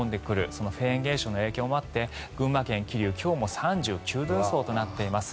そのフェーン現象の影響もあって群馬県桐生、今日も３９度予想となっています。